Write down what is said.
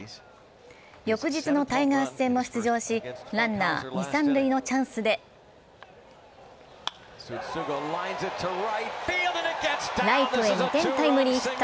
翌日のタイガース戦も出場し、ランナー、二・三塁のチャンスでライトへ２点タイムリーヒット。